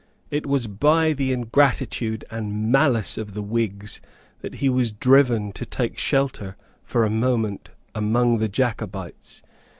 It was by the ingratitude and malice of the Whigs that he was driven to take shelter for a moment among the Jacobites.